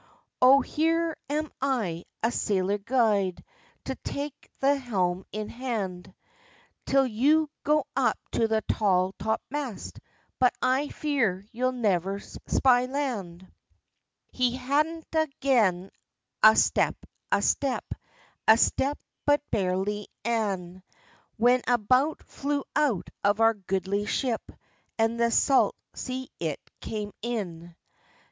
"O here am I, a sailor gude, To take the helm in hand, Till you go up to the tall top mast But I fear you'll ne'er spy land." He hadna gane a step, a step, A step but barely ane, When a bout flew out of our goodly ship, And the salt sea it came in.